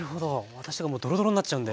私とかドロドロになっちゃうんで。